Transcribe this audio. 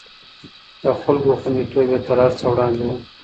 د خلکو خونديتوب يې تر هر څه وړاندې و.